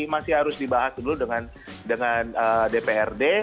masih harus dibahas dulu dengan dprd